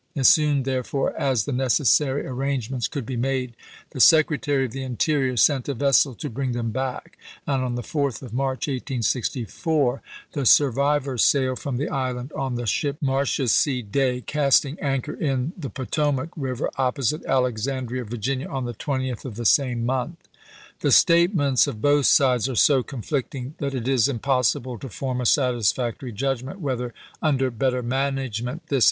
As soon, therefore, as the necessary arrangements could be made, the Secretary of the Interior sent a vessel to bring them back, and on the 4th of March, 1864, 366 ABRAHAM LINCOLN ch. x^^I. the survivors sailed from the island on the ship Marcia C. Day, casting anchor in the Potomac Marcii. River opposite Alexandria, Virginia, on the 20 th of 1864. ^^ 7 o 7 the same month. The statements of both sides are so conflicting that it is impossible to form a satisfactory judgment whether under better management this